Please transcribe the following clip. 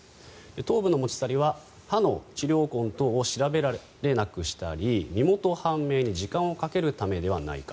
頭部の持ち去りは歯の治療痕等を調べられなくしたり身元判明に時間をかけるためではないか。